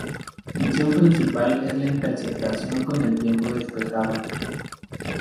Su misión principal es la interceptación con tiempo despejado.